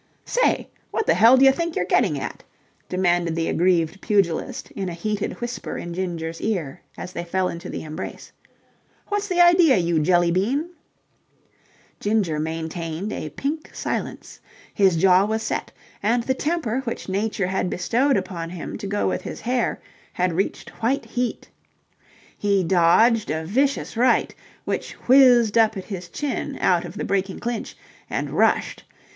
"Say, what the hell d'ya think you're getting at?" demanded the aggrieved pugilist in a heated whisper in Ginger's ear as they fell into the embrace. "What's the idea, you jelly bean?" Ginger maintained a pink silence. His jaw was set, and the temper which Nature had bestowed upon him to go with his hair had reached white heat. He dodged a vicious right which whizzed up at his chin out of the breaking clinch, and rushed.